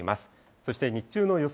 そして日中の予想